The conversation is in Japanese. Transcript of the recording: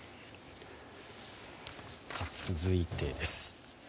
続いてです。